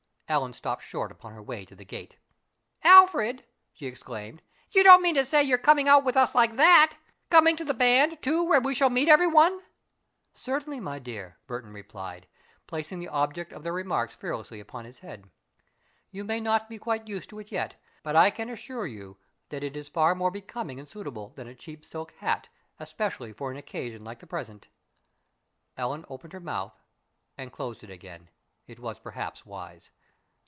Ellen stopped short upon her way to the gate. "Alfred," she exclaimed, "you don't mean to say you're coming out with us like that coming to the band, too, where we shall meet everyone?" "Certainly, my dear," Burton replied, placing the object of their remarks fearlessly upon his head. "You may not be quite used to it yet, but I can assure you that it is far more becoming and suitable than a cheap silk hat, especially for an occasion like the present." Ellen opened her mouth and closed it again it was perhaps wise!